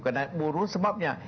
karena burung sebabnya